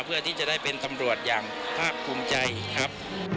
เพื่อที่จะได้เป็นตำรวจอย่างภาคภูมิใจครับ